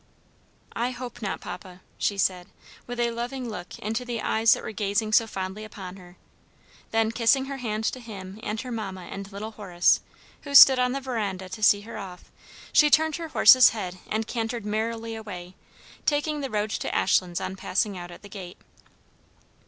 "I hope not, papa," she said, with a loving look into the eyes that were gazing so fondly upon her. Then kissing her hand to him and her mamma and little Horace, who stood on the veranda to see her off, she turned her horse's head and cantered merrily away, taking the road to Ashlands on passing out at the gate.